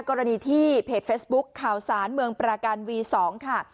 กรณีที่เพจเฟซบุ๊คข่าวสารเมืองปราการวี๒ค่ะ